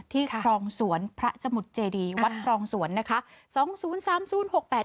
ครองสวนพระสมุทรเจดีวัดครองสวนนะคะ